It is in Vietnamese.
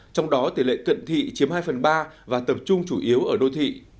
trong đó tỷ lệ cận thị chiếm hai phần ba và tập trung chủ yếu ở đô thị